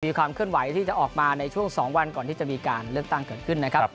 ความเคลื่อนไหวที่จะออกมาในช่วง๒วันก่อนที่จะมีการเลือกตั้งเกิดขึ้นนะครับ